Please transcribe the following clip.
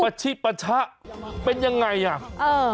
ปะชิ่และปะชะเป็นอย่างไร